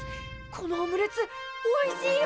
このオムレツおいしいよ！